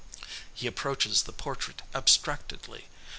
He approaches the portrait abstractedly.